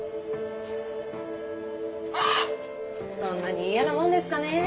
そんなに嫌なもんですかねぇ。